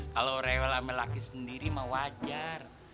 kalo rewel sama laki sendiri mah wajar